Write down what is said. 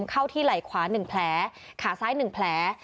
เข้าที่ไหล่ขวา๑แผลขาซ้าย๑แผล